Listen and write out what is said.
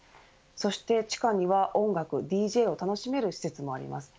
そして地下には音楽、ＤＪを楽しめる施設もあります。